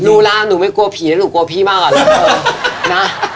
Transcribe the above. รู้แล้วหนูไม่กลัวผีแต่หนูกลัวพี่มากกว่านั้น